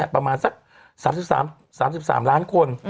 ประมาณสัก๓๓ล้านคน